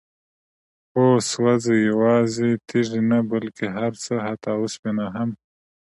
هو؛ سوزي، يوازي تيږي نه بلكي هرڅه، حتى اوسپنه هم